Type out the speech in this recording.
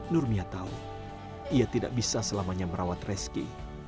nurmia tahu ia tidak bisa selamanya merawat reski